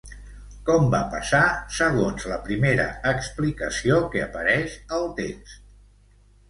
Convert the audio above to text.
Com va passar segons la primera explicació que apareix al text?